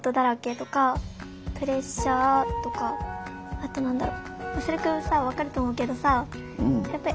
あとなんだろ。